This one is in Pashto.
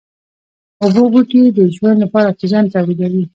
اوبو بوټي د ژوند لپاره اکسيجن توليدوي